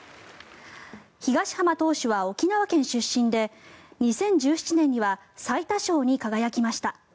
東浜投手は沖縄県出身で２０１７年には最多勝に輝きました。